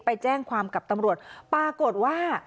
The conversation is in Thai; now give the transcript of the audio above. ไปแจ้งความกับตำรวจปรากฏว่า